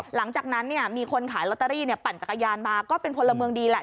หลังจากนั้นเนี่ยมีคนขายลอตเตอรี่ปั่นจักรยานมาก็เป็นพลเมืองดีแหละ